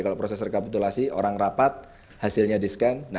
kalau proses rekapitulasi orang rapat hasilnya di scan